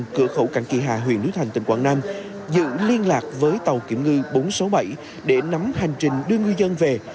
cửa khẩu cảnh kỳ hà huyện núi thành tỉnh quảng nam giữ liên lạc với tàu kiểm ngư bốn trăm sáu mươi bảy để nắm hành trình đưa ngư dân về